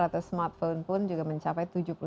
atau smartphone pun juga mencapai